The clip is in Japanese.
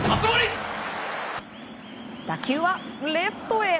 打球はレフトへ。